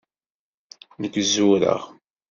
Nekk zureɣ.